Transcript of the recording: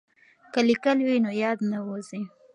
که لیکل وي نو یاد نه وځي.